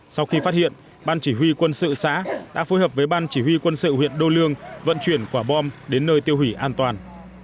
sau khi phát hiện ban chỉ huy quân sự xã đã phối hợp với ban chỉ huy quân sự huyện đô lương vận chuyển quả bom đến nơi tiêu hủy an toàn